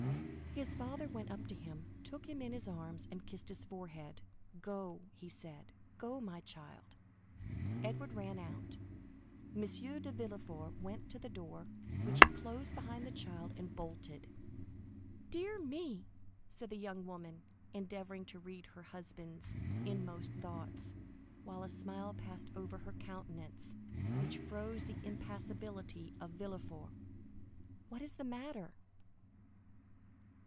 His father went up to him, took him in his arms, and kissed his forehead. "Go," he said: "go, my child." Edward ran out. M. de Villefort went to the door, which he closed behind the child, and bolted. "Dear me!" said the young woman, endeavoring to read her husband's inmost thoughts, while a smile passed over her countenance which froze the impassibility of Villefort; "what is the matter?"